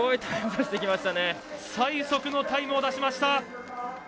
最速のタイムを出しました。